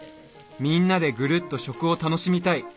みんなでグルッと食を楽しみたい。